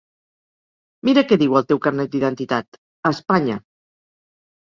Mira què diu el teu carnet d’identitat: Espanya!